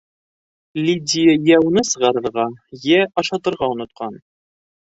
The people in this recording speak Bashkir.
Лидия йә уны сығарырға, йә ашатырға онотҡан...